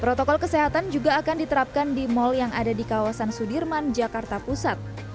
protokol kesehatan juga akan diterapkan di mal yang ada di kawasan sudirman jakarta pusat